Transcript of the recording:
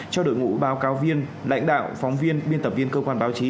cho đội ngũ báo cáo viên lãnh đạo phóng viên biên tập viên cơ quan báo chí